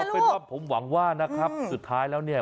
ผมหวังว่านะครับสุดท้ายแล้วเนี่ย